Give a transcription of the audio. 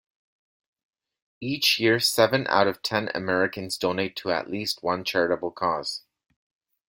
Each year, seven out of ten Americans donate to at least one charitable cause.